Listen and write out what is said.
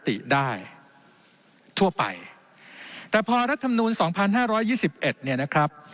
ติได้ทั่วไปแต่พอรัฐธรรมนูล๒พัน๕๒๑เนี่ยนะครับ